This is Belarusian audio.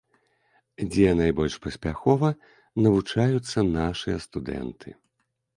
Дзе найбольш паспяхова навучаюцца нашыя студэнты?